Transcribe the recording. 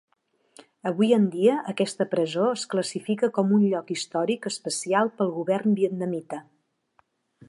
Avui en dia, aquesta presó es classifica com un lloc històric especial pel govern vietnamita.